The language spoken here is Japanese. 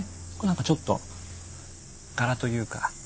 何かちょっと柄というか。